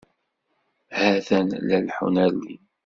Ha-t-en la leḥḥun ar din.